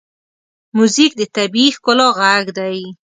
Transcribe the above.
موزیک د طبیعي ښکلا غږ دی.